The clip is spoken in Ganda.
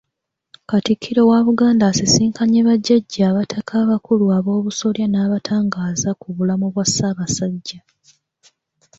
Katikkiro wa Buganda asisinkanye bajjajja abataka abakulu ab'obusolya n'abatangaaza ku bulamu bwa Ssaabasajja